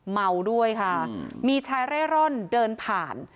เมาด้วยค่ะมีชายเร่ร่อนเดินผ่าน